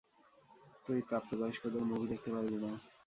তুই প্রাপ্তবয়স্কদের মুভি দেখতে পারবি না।